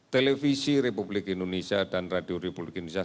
televisi republik indonesia dan radio republik indonesia